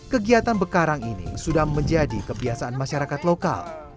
kegiatan bekarang ini sudah menjadi kebiasaan masyarakat lokal